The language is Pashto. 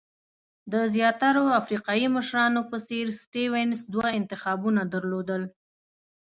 د زیاترو افریقایي مشرانو په څېر سټیونز دوه انتخابونه درلودل.